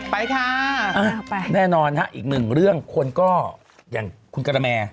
อ๋อไปค่ะไปแน่นอนครับอีกหนึ่งเรื่องคนก็อย่างคุณกะระแม่